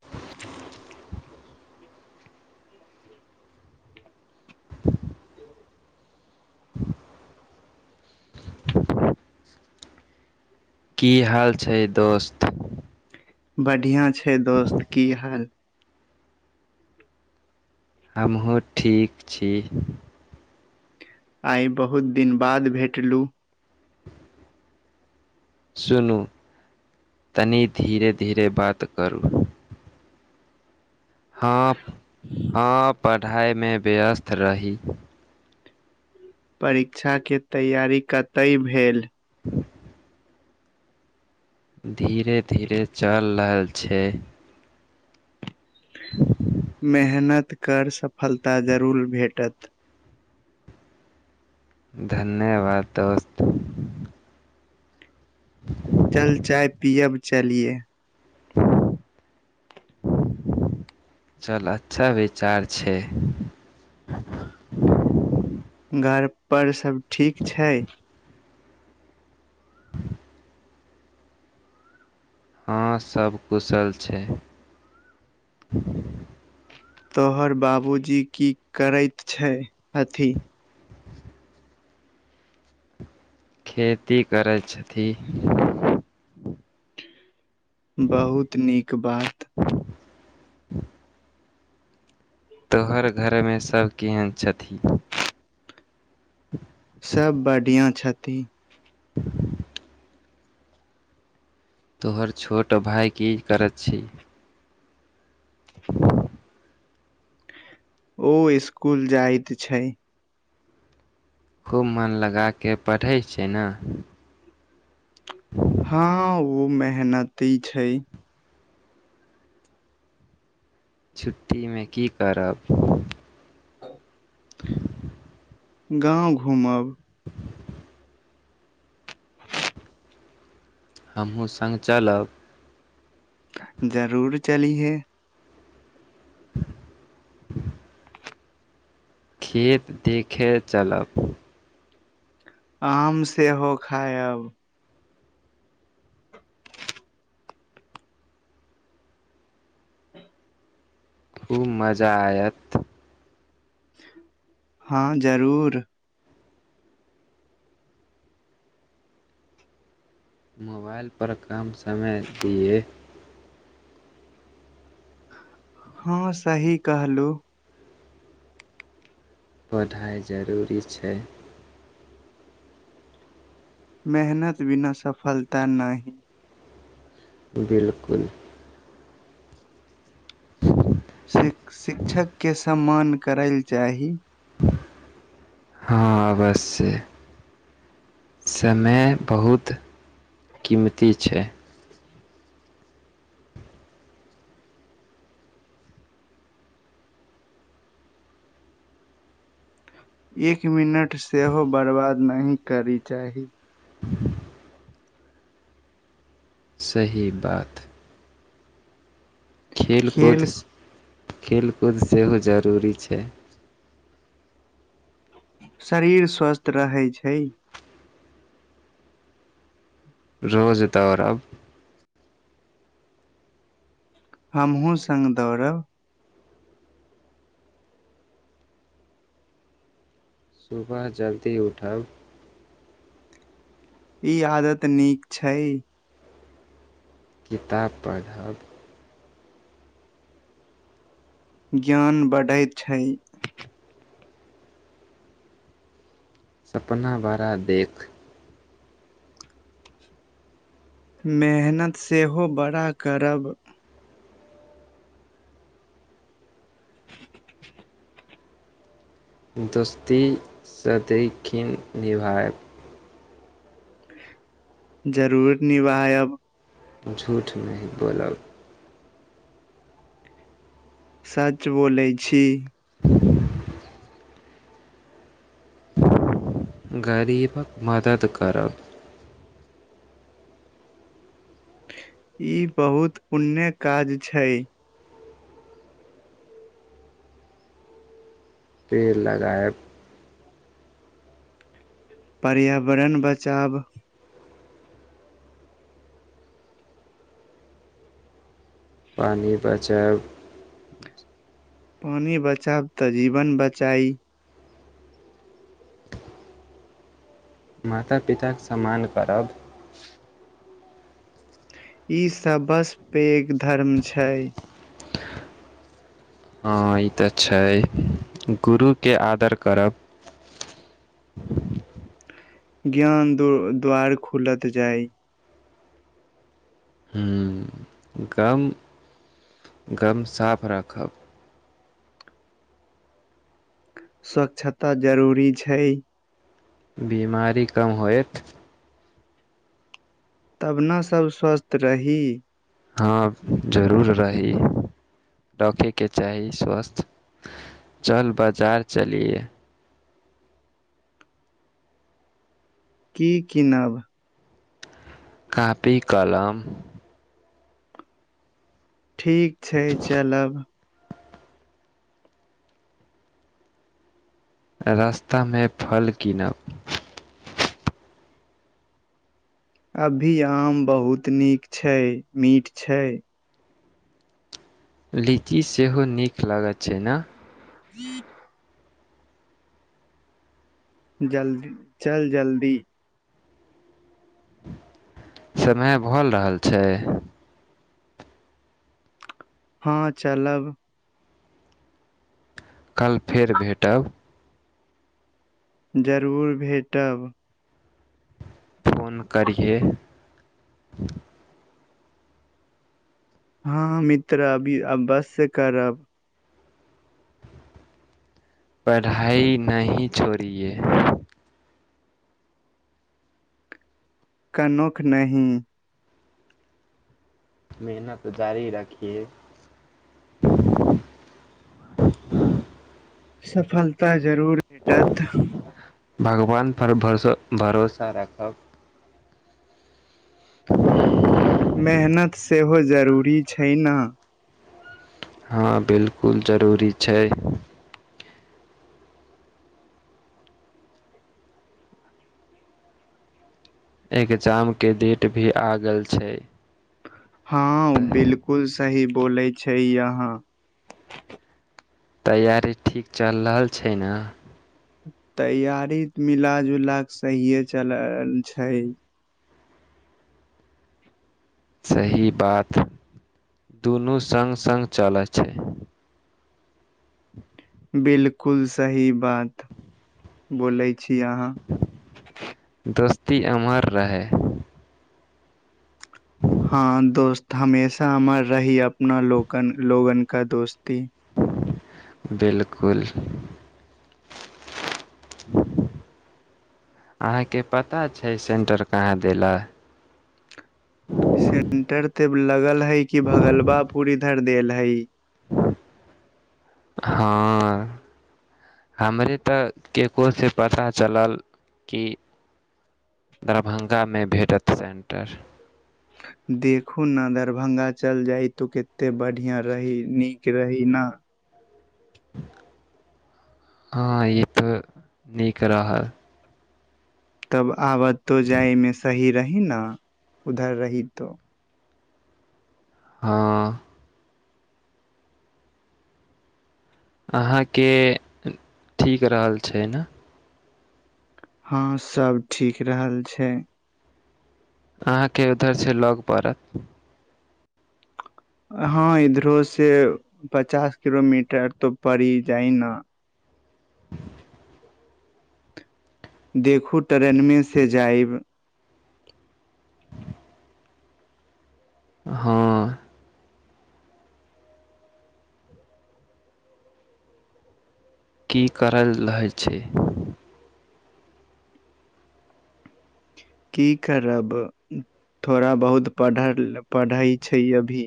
[inaudible] [inaudible] की हाल छै दोस्त। बढ़ियां छै दोस्त, की हाल। हमहुं ठीक छी। आइ बहुत दिन बाद भेटलु। सुनु, तनी धीरे धीरे बात करु। हां, हां पढ़ाइमे व्यस्त रही। परीछा के तैयारी कतय भेल? धीरे धीरे चलि रहल छै। मेहनत कर सफलता जरुर भेटत। धन्यवाद दोस्त। चल चाय पियब, चलिए। चल, अच्छा विचार छै। [inaudible] घर पर सब ठीक छै? हां, सब कुशल छै। तोहर बाबुजी की करैत छै, छथि। खेती करै छथि। बहुत नीक बात। [inaudible] तोहर घरमे सब केहेन छथि। [inaudible] सब बढ़ियां छथि। तोहर छोट भाय की करै छै। ओ स्कुल जाइत छै। खूब मन लगा के पढ़ै छै ने? हँ हं ओ मेहनती छै। छुट्टीमे की करब? [inaudible] गाँव घुमब। हमहूँ संग चलब। जरूर चलिये। [inaudible] खेत देखे चलब। आम सेहो खायब। खूब मजा आयत। हँ जरूर। मोबाइल पर कम समय दियै। हँ सही कहलु। पढ़ाइ जरूरी छै। मेहनत बिना सफलता नहि। बिलकुल। शि शिक्षक के सम्मान करय ल चाही। हँ अवश्य। समय बहुत कीमती छै। एक मिनट सेहो बर्बाद नहि करी चाही। सही बात। खेलकूद, खेल खेलकूद सेहो जरूरी छै। शरीर स्वस्थ रहै छै। रोज दौड़ब हमहुं संग दौड़ब। सुबह जल्दी उठब। ई आदत नीक छै। किताब पढ़ब। ज्ञान बढ़ैत छै। सपना बड़ा देख। मेहनत सेहो बड़ा करब। दोस्ती सदैख निभायब। जरूर निभायब। झूठ नहि ही बोलब। सच बोलै छी। गरीबक मदद करब। ई बहुत पुण्य काज छै। पेड़ लगायब। पर्यावरण बचाव। पानि बचायब। पानि बचायब त जीवन बचाई। माता पिताके सम्मान करब। ई सब बस पैघ धर्म छै। हँ ई त छै, गुरुके आदर करब। [inaudible] ज्ञान दु द्वार खुलत जाय हुं, गाम गाम साफ राखब। स्वच्छता जरूरी छै। बिमारी कम होयत। तब ने सब स्वस्थ रही। हाँ जरूर रही। रखयके चाही स्वस्थ, चल बजार चलिये। की किनब। कापी, कलम ठीक छै, चलब। रास्तामे फल कीनब। [inaudible] अभी आम बहुत नीक छै, मीठ छै। लीची सेहो नीक लागैत छै ने? [inaudible] जल्द चल जल्दी। [inaudible] समय भल रहल छै। हाँ चलब। कल फेर भेटब। जरूर भेटब। फोन करहिये। हाँ, हाँ मित्र! अभी अबश्य करब। पढ़ाई नहि छोड़ीये। कनुख नहि। मेहनत जारी रखिये। [inaudible] [inaudible] सफलता जरूर भेटत। भगवान! पर भस भरोसा राखब। [inaudible] मेहनत सेहो जरूरी छै ने। हाँ 'बिलकुल' जरूरी छै। एग्जाम के डेट भी आ गेल छै। हाँ 'बिलकुल' सही बोलै छै यहाँ। तैयारी ठीक चल रहल छै ने? तैयारी मिला- जुला के सहिये चलल छै। सही बात, दुनू संग- संग चलै चाही। [inaudible] 'बिलकुल' सही बात। बोलै छी अहाँ। ती अमर रहै। [inaudible] हाँ दोस्त! हमेशा अमर रहि, अपना लोकन लोगन के दोस्त। बिलकुल। [inaudible] [inaudible] अहाँके पता छै सेंटर कहाँ देला? सेंटर ते लगल हय कि, भगलबापुर इधर देल हय। हाँ। हमरे तऽ केकरो से पता चलल कि दरभंगा मे भेटत सेंटर। देखू ने दरभंगा चल जाइ, तू कते बढ़ियाँ रही, नीक रही ना। [inaudible] हाँ इ ते नीक रहा। तब आबतो जायमे सही रही न, उधर रहितो? हाँ। अहाँके ठीक रहल छै ने। हाँ सब ठीक रहल छै। अहाँके उधर से लअग पड़त। [inaudible] हाँ इधरो से, पचास किलोमीटर तो पड़ी जाइ न। [inaudible] देखु ट्रेनमे से जाइब। [inaudible] हाँ। की करल लहै छै? की करब। थोड़ा बहुत पढ़ल पढ़ै छै अभी।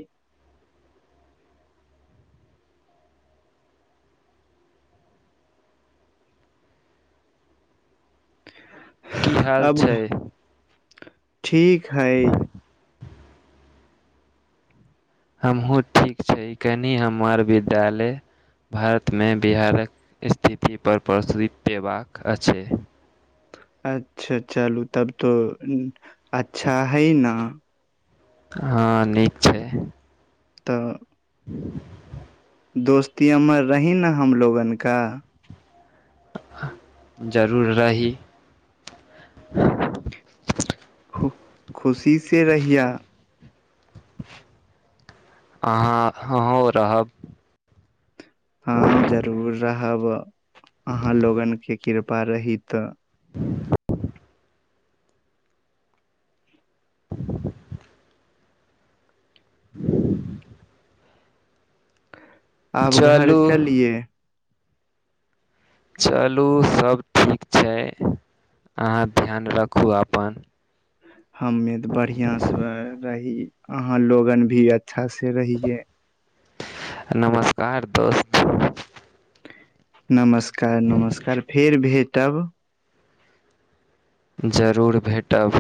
की हाल अब छै? घ ठीक हय। हमहूँ ठीक छै, कनि हमर विद्यालय भारतमे, बिहारक स्थिति पर, प्रसुति पेबाक अछै। अच्छा चलू तब तो उम्म अच्छा हय न। हाँ नीक छै। तऽ दोस्ती हमर रही ने हमलोगन का? जरूर रही। [inaudible] खु खुशी से रहिया। अहाँ अहौ रहब। हाँ जरूर रहब, अहाँ लोगन के कृपा रहित। [inaudible] [inaudible] आब घर चलू चलिये। चलु सब ठीक छै। अहाँ ध्यान रखु आपन। हम्मे ते बढ़िया से रही, अहाँ लोगन भी अ अच्छा से रहिये। नमस्कार! दोस्त। नमस्कार! नमस्कार! फेर भेटब। जरूर भेटब,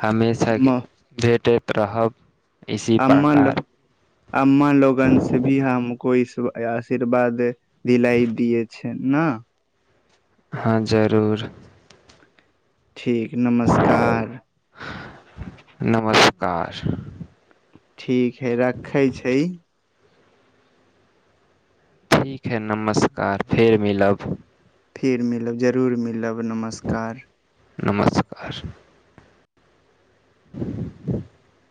हमेशा के म- भेटे त रहब। इसी अम्मा लो, प्रकार अम्मा लोगन से भी हमको इस [unintelligible] आशीर्वादे दिलाय दिये छै न। हाँ जरूर। ठीक नमस्कार! कार ठीक हय, रखै छै। ठीक हय, नमस्कार! फेर मिलब। फेर मिलब, जरूर मिलब नमस्कार। नमस्कार! [inaudible]